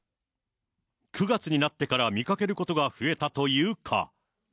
９月になってから見かけることが増えたという蚊。